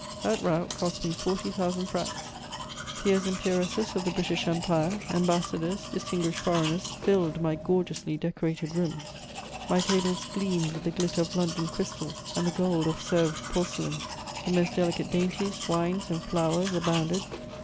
That rout cost me forty thousand francs. Peers and peeresses of the British Empire, ambassadors, distinguished foreigners filled my gorgeously decorated rooms. My tables gleamed with the glitter of London crystal and the gold of Sèvres porcelain. The most delicate dainties, wines and flowers abounded.